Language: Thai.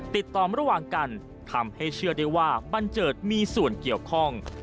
ติดต่อระหว่างกันทำให้เชื่อได้ว่าบันเจิดมีส่วนเกี่ยวข้อง